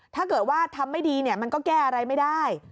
ถ้าเกิดว่าทำไม่ดีมันก็แก้อะไรไม่ได้